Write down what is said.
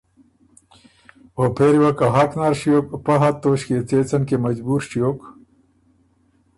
او پېری وه که حق نر ݭیوک، پۀ حد توݭکيې څېڅن کی مجبور ݭیوک